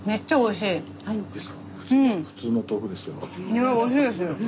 いやおいしいですよ。